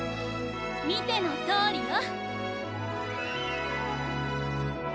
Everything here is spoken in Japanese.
見てのとおりよ。